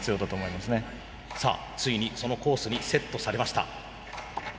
さあついにそのコースにセットされました。